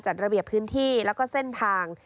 จัดระเบียบพื้นที่แล้วก็เส้นทาง